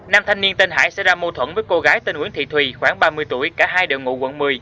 nam thanh niên tên hải xảy ra mâu thuẫn với cô gái tên nguyễn thị thùy khoảng ba mươi tuổi cả hai đều ngụ quận một mươi